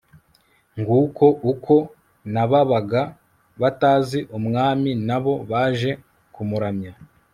nguko uko n'ababaga batazi umwami na bo baje kumuramya